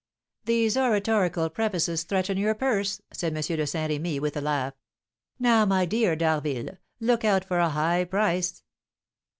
"These oratorical prefaces threaten your purse," said M. de Saint Remy, with a laugh. "Now, my dear D'Harville, look out for a high price."